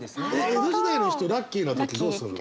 江戸時代の人ラッキーの時どうすんの？